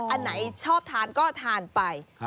อันไหนชอบทานก็ทานไป